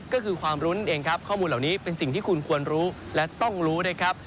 ก็คือความรุ้นเองครับข้อมูลเหล่านี้เป็นสิ่งที่คุณควรรู้และต้องรู้นะครับ